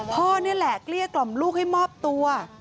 พ่อนี่แหละเกลี้ยกล่อมลูกให้มอบตัว